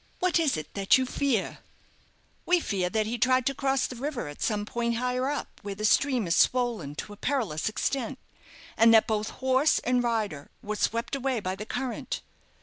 "What is it that you fear?" "We fear that he tried to cross the river at some point higher up, where the stream is swollen to a perilous extent, and that both horse and rider were swept away by the current."